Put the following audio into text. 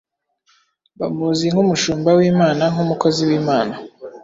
bamuzi nk’umushumba w’imana nk’umukozi w’imana